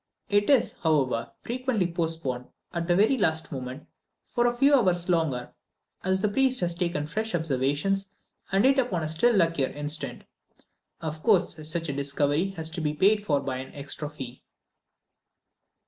It is, however, frequently postponed, at the very last moment, for a few hours longer, as the priest has taken fresh observations, and hit upon a still luckier instant. Of course, such a discovery has to be paid for by an extra fee.